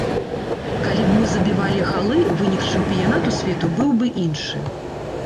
Калі б мы забівалі галы, вынік чэмпіянату свету быў бы іншы.